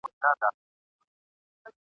زماد قام یې دی لیکلی د مېچن پر پله نصیب دی ..